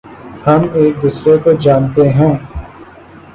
ہم ایک دوسرے کو جانتے ہیں